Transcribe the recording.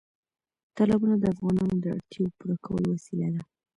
تالابونه د افغانانو د اړتیاوو پوره کولو وسیله ده.